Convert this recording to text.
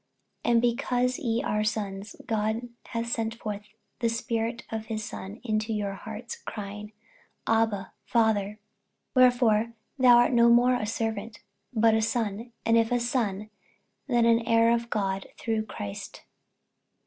48:004:006 And because ye are sons, God hath sent forth the Spirit of his Son into your hearts, crying, Abba, Father. 48:004:007 Wherefore thou art no more a servant, but a son; and if a son, then an heir of God through Christ.